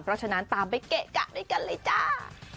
เพราะฉะนั้นตามไปเกะกะด้วยกันเลยจ้า